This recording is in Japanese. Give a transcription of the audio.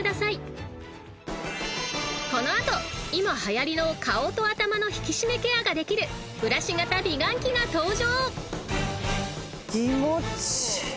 ［この後今はやりの顔と頭の引き締めケアができるブラシ型美顔器が登場］